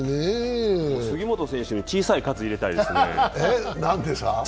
杉本選手に小さい喝を入れたいですね。